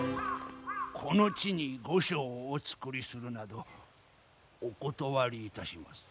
この地に御所をお造りするなどお断りいたします。